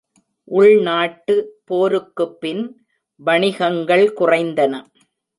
உள்நாட்டு போருக்கு பின் வணிகங்கள் குறைந்தன.